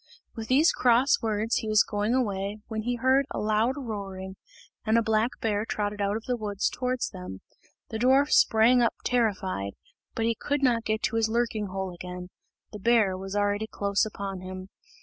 With these cross words he was going away, when he heard a loud roaring, and a black bear trotted out of the wood towards them. The dwarf sprang up terrified, but he could not get to his lurking hole again the bear was already close upon him.